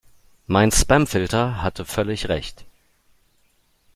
Mein Spamfilter hatte völlig recht.